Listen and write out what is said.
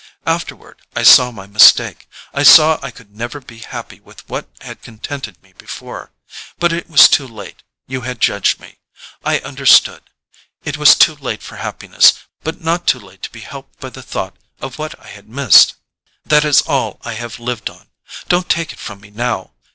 Afterward I saw my mistake—I saw I could never be happy with what had contented me before. But it was too late: you had judged me—I understood. It was too late for happiness—but not too late to be helped by the thought of what I had missed. That is all I have lived on—don't take it from me now!